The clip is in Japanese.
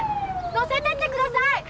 乗せてってください！